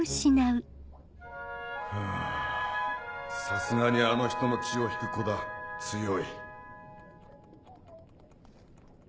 さすがにあの人の血を引く子だ強い。